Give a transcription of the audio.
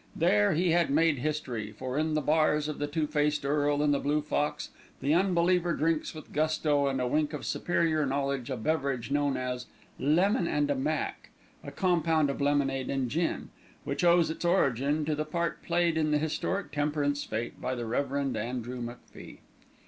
There he had made history, for in the bars of The Two Faced Earl and The Blue Fox the unbeliever drinks with gusto and a wink of superior knowledge a beverage known as a "lemon and a mac," a compound of lemonade and gin, which owes its origin to the part played in the historic temperance fête by the Rev. Andrew MacFie.